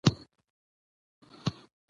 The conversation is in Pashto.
خپرندویه ټولنې باید ملي مسوولیت درک کړي.